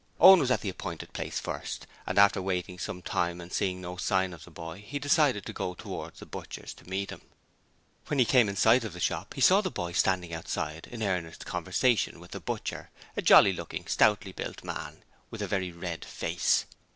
Owen was at the appointed place first and after waiting some time and seeing no sign of the boy he decided to go towards the butcher's to meet him. When he came in sight of the shop he saw the boy standing outside in earnest conversation with the butcher, a jolly looking stoutly built man, with a very red face.